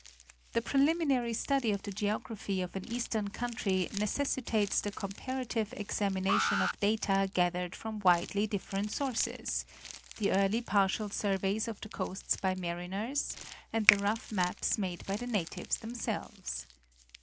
The preliminary study of the geography of an eastern country necessitates the comparative examination of data gathered from widely different sources: the early partial surveys of the coasts by mariners, and the rough maps made by the natives themselves.